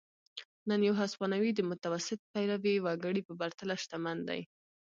نن یو هسپانوی د متوسط پیرويي وګړي په پرتله شتمن دی.